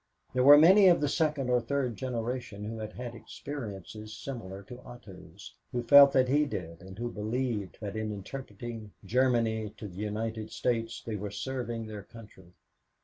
There were many of the second or third generations who had had experiences similar to Otto's, who felt as he did and who believed that in interpreting Germany to the United States they were serving their country.